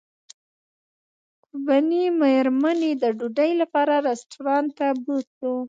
کوربنې مېرمنې د ډوډۍ لپاره رسټورانټ ته بوتلو.